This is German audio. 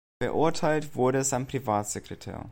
Verurteilt wurde sein Privatsekretär.